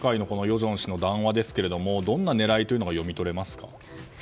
正氏の談話ですけどもどんな狙いが読み取れますか。